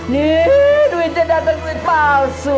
nih duitnya datang duit palsu